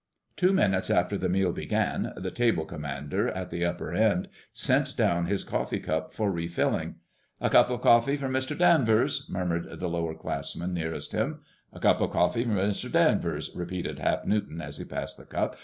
Two minutes after the meal began, the "table commander" at the upper end sent down his coffee cup for re filling. "A cup of coffee for Mr. Danvers," murmured the lowerclassman nearest him. "A cup of coffee for Mr. Danvers," repeated Hap Newton as he passed the cup.